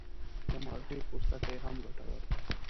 د مالټې پوستکی هم ګټور دی.